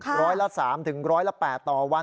ร้อยละ๓ร้อยละ๘ต่อวัน